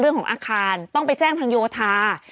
เรื่องของอาคารต้องไปแจ้งทางโยธา